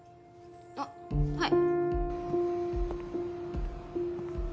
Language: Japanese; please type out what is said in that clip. あっはい。